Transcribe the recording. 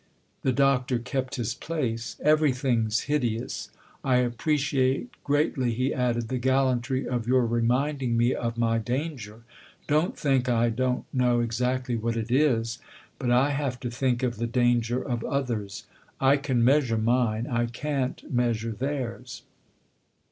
The Doctor kept his place. " Everything's hideous. I appreciate greatly," he added, " the gallantry of your reminding me of my danger. Don't think I don't know exactly what it is. But I have to think of the danger of others. I can measure mine ; I can't measure theirs."